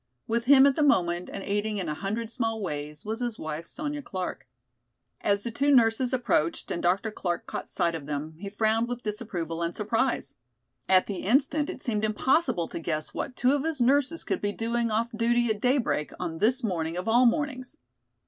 With him at the moment, and aiding in a hundred small ways, was his wife, Sonya Clark. As the two nurses approached and Dr. Clark caught sight of them, he frowned with disapproval and surprise. At the instant it seemed impossible to guess what two of his nurses could be doing off duty at daybreak on this morning of all mornings.